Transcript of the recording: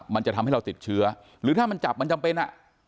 มันจะทำให้เราติดเชื้อหรือถ้ามันจับมันจำเป็นอ่ะ